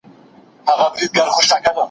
موږ پښتو ته په ډیجیټل عصر کې کار کوو.